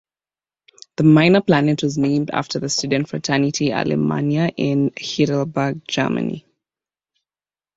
The minor planet was named after the student fraternity "Alemannia" in Heidelberg, Germany.